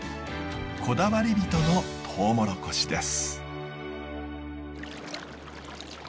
こだわり人のトウモロコシです。